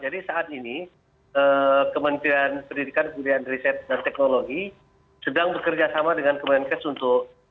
jadi saat ini kementerian pendidikan kementerian riset dan teknologi sedang bekerja sama dengan kementerian kes untuk